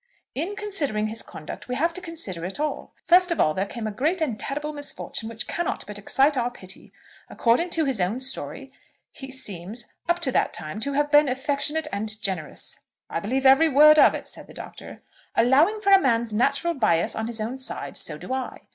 "In considering his conduct, we have to consider it all. First of all there came a great and terrible misfortune which cannot but excite our pity. According to his own story, he seems, up to that time, to have been affectionate and generous." "I believe every word of it," said the Doctor. "Allowing for a man's natural bias on his own side, so do I.